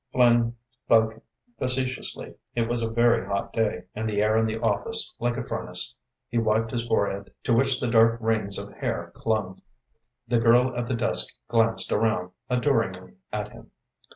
Flynn spoke facetiously. It was a very hot day, and the air in the office like a furnace. He wiped his forehead, to which the dark rings of hair clung. The girl at the desk glanced around adoringly at him.